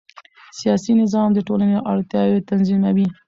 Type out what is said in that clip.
سیاسي نظام د ټولنې اړتیاوې تنظیموي